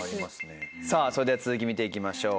さあそれでは続き見ていきましょう。